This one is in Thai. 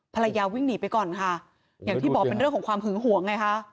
ภรรยาวิ่งหนีไปก่อนค่ะอย่างที่บอกเป็นเรื่องของความหึงหวงไงคะ